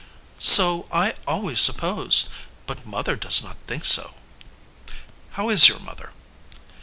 "So I always supposed but mother does not think so." "How is your mother?"